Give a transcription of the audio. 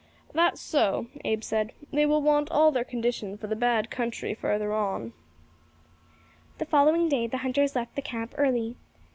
"That's so," Abe said; "they will want all their condition for the bad country further on." The following day the hunters left the camp early.